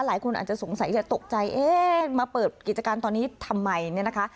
หลายคนอาจจะสงสัยจะตกใจเอ๊ะมาเปิดกิจการตอนนี้ทำไมเนี่ยนะคะ